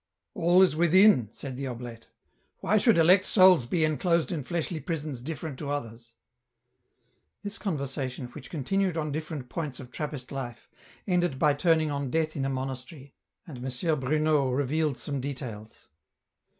" All is within," said the oblate. " Why should elect souls be enclosed in fleshly prisons different to others ?" This conversation, which continued on different points of Trappist life, ended by turning on death in a monastery, and M. Bruno revealed some details.